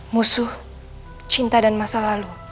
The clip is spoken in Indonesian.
musuh cinta dan masa lalu